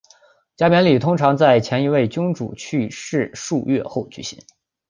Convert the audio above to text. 加冕礼通常在前一位君主去世数月后举行。